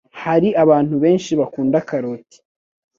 Hari abantu benshi bakunda karoti,